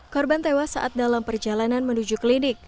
korban tewas saat dalam perjalanan menuju klinik